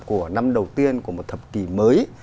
của năm đầu tiên của một thập kỷ mới